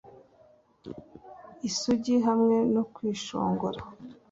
isugi hamwe no kwishongora